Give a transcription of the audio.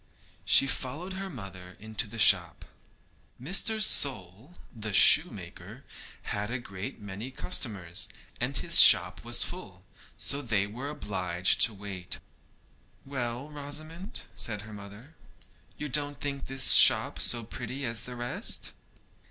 She followed her mother into the shop. Mr. Sole, the shoemaker, had a great many customers, and his shop was full, so they were obliged to wait. 'Well, Rosamond,' said her mother, 'you don't think this shop so pretty as the rest?'